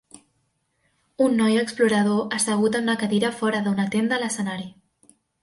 Un noi explorador assegut en una cadira fora d'una tenda a l'escenari.